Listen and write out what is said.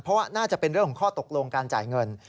เพราะว่าน่าจะเป็นเรื่องของข้อตกลงการจ่ายเงิน